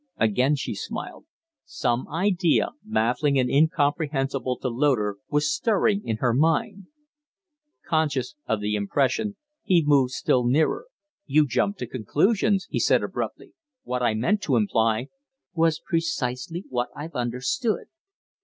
Again she smiled. Some idea, baffling and incomprehensible to Loder, was stirring in her mind. Conscious of the impression, he moved still nearer. "You jump to conclusions," he said, abruptly. "What I meant to imply "" was precisely what I've understood."